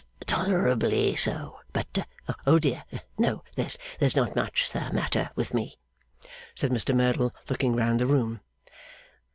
'Tolerably so. But Oh dear no, there's not much the matter with me,' said Mr Merdle, looking round the room.